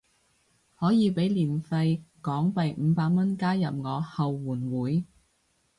可以俾年費港幣五百蚊加入我後援會